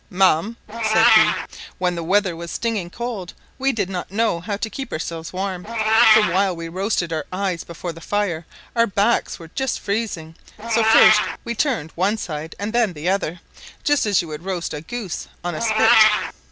"Ma'am" said he, "when the weather was stinging cold, we did not know how to keep ourselves warm; for while we roasted our eyes out before the fire our backs were just freezing; so first we turned one side and then the other, just as you would roast a guse on a spit.